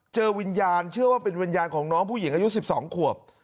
เจอวิญญาณเชื่อว่าเป็นวิญญาณของน้องผู้หญิงอายุ๑๒ขวบ